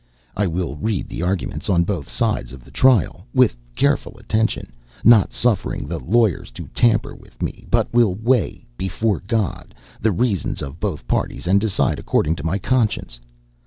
I will read the arguments on both sides of the trial, with careful attention, not suffering the lawyers to tamper with me; but will weigh, before God, the reasons of both parties, and decide according to my conscience.